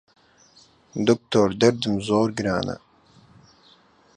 دوکتۆر دەردم زۆر گرانە